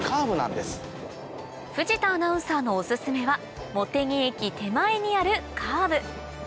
藤田アナウンサーのお薦めは茂木駅手前にあるカーブ